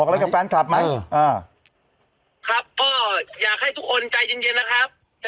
อะไรกับแฟนคลับไหมอ่าครับก็อยากให้ทุกคนใจเย็นเย็นนะครับ